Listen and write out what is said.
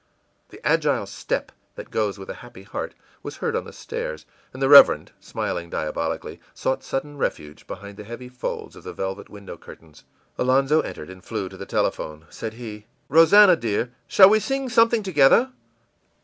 î The agile step that goes with a happy heart was heard on the stairs, and the Reverend, smiling diabolically, sought sudden refuge behind the heavy folds of the velvet window curtains. Alonzo entered and flew to the telephone. Said he: ìRosannah, dear, shall we sing something together?